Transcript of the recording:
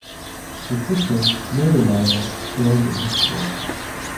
His sister, Mary Marvel, joined in his place.